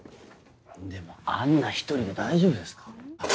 でもアンナ一人で大丈夫ですか？